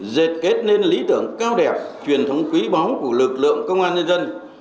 dệt kết nên lý tưởng cao đẹp truyền thống quý báu của lực lượng công an nhân dân